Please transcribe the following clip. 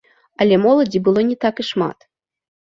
Але моладзі было не так і шмат.